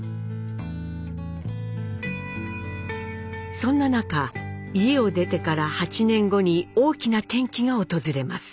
そんな中家を出てから８年後に大きな転機が訪れます。